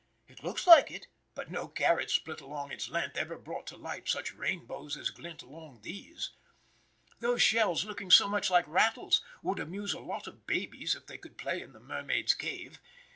It looks like it, but no carrot split along its length ever brought to light such rainbows as glint along these. Those shells looking so much like rattles would amuse a lot of babies if they could play in the mermaid's cave.